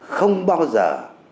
không bao giờ